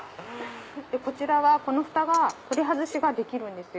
こちらはこのふたが取り外しができるんですよ。